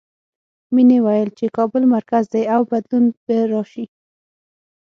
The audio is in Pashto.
مینې ویل چې کابل مرکز دی او بدلون به راشي